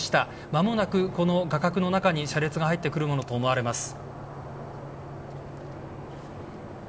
まもなくこの画角の中に車列が入ってくるものと思われます。